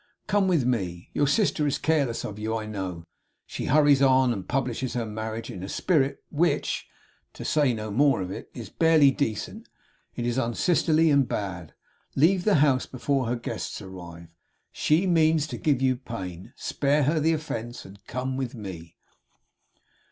Come with me. Your sister is careless of you, I know. She hurries on and publishes her marriage, in a spirit which (to say no more of it) is barely decent, is unsisterly, and bad. Leave the house before her guests arrive. She means to give you pain. Spare her the offence, and come with me!